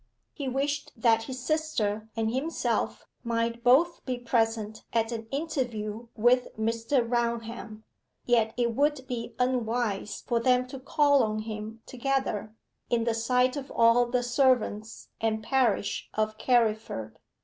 He wished that his sister and himself might both be present at an interview with Mr. Raunham, yet it would be unwise for them to call on him together, in the sight of all the servants and parish of Carriford.